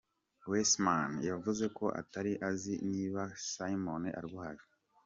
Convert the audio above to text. Weissmann yavuze ko atari azi niba Cimino arwaye.